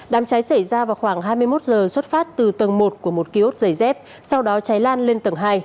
đám cháy xảy ra vào khoảng hai mươi một giờ xuất phát từ tầng một của một kiosk giày dép sau đó cháy lan lên tầng hai